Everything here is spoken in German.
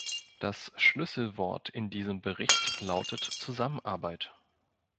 Das Schlüsselwort in diesem Bericht lautet Zusammenarbeit.